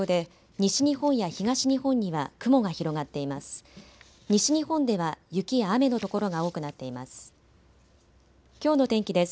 西日本では雪や雨の所が多くなっています。